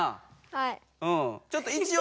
はい。